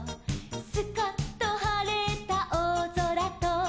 「スカッとはれたおおぞらと」